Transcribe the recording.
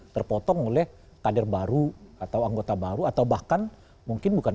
terpotong oleh kader baru atau anggota baru atau bahkan mungkin bukan